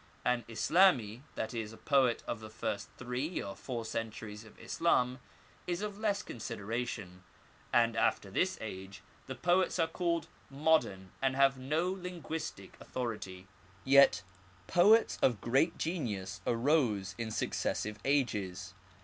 An Islami, that is, a poet of the first three or four generations of Islam, is of less consideration ; and after this age the poets are called modem, and have no linguistic authority. Yet poets of great genius arose in successive ages.